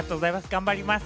頑張ります。